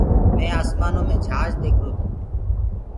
مينٚ آشمآنو مي جھآج ديکرو تو۔